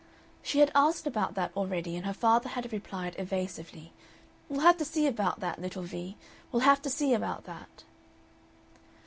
She had asked about that already, and her father had replied, evasively: "We'll have to see about that, little Vee; we'll have to see about that."